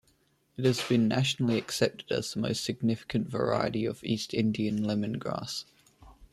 It has been nationally accepted as the most significant variety of East Indian lemongrass.